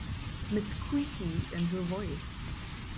Miss Squeaky and her voice.